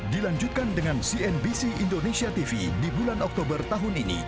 dilanjutkan dengan cnbc indonesia tv di bulan oktober tahun ini